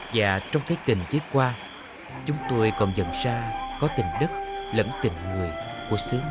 và trong cái tình chiếc qua chúng tôi còn nhận ra có tình đất lẫn tình người của xứ này